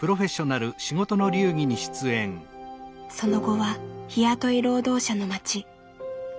その後は日雇い労働者の町東京・山谷へ。